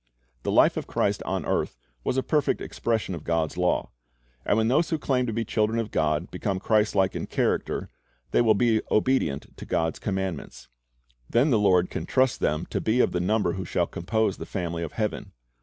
The life of Christ on earth was a perfect expression of God's law, and when those who claim to be children of God become Christlike in character, they will be obedient to God's commandments. Then the Lord can trust them to be of the number who shall compose the family of heaven.